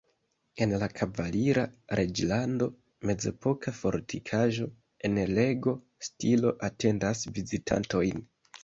En la "kavalira reĝlando" mezepoka fortikaĵo en Lego-stilo atendas vizitantojn.